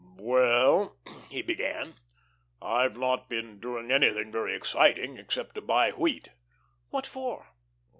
"Well," he began, "I've not been doing anything very exciting, except to buy wheat." "What for?"